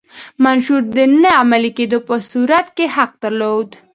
منشور د نه عملي کېدو په صورت کې حق درلود.